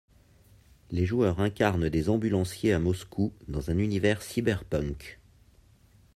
Les joueurs incarnent des ambulanciers à Moscou dans un univers cyberpunk.